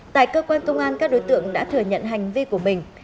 tại cơ quan công an các đối tượng đã thừa nhận hành vi của mình